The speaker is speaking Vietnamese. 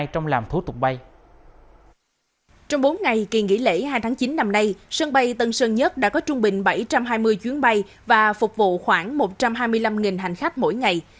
trong bốn ngày kỳ nghỉ lễ hai tháng chín năm nay sân bay tân sơn nhất đã có trung bình bảy trăm hai mươi chuyến bay và phục vụ khoảng một trăm hai mươi năm hành khách mỗi ngày